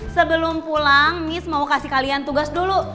sebelum pulang miss mau kasih kalian tugas dulu